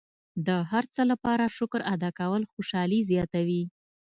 د هر څه لپاره شکر ادا کول خوشحالي زیاتوي.